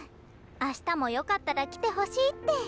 明日もよかったら来てほしいって。